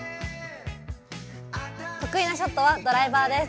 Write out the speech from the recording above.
得意なショットはドライバーです。